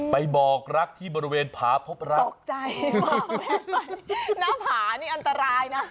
ไปบอกรักที่บริเวณผาพบรักตกใจหน้าผานี่อันตรายนะ